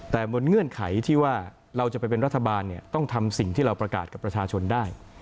แต่บนเงื่อนไขที่ว่าเราจะไปเป็นรัฐบาลต้องทำสิ่งที่เราประกาศกับประชาชนได้